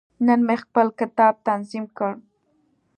نن مې خپل کتاب تنظیم کړ.